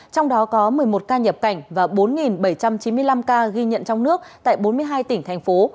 trong đó có một mươi một ca nhập cảnh và bốn bảy trăm chín mươi năm ca ghi nhận trong nước tại bốn mươi hai tỉnh thành phố